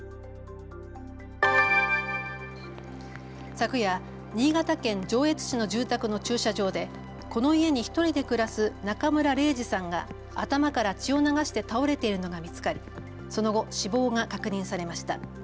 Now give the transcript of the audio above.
昨夜、新潟県上越市の住宅の駐車場でこの家に１人で暮らす中村礼治さんが頭から血を流して倒れているのが見つかりその後、死亡が確認されました。